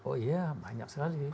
oh iya banyak sekali